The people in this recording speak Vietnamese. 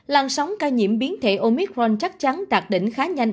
làn sóng ca nhiễm biến thể omicron chắc chắn đạt đỉnh khá nhanh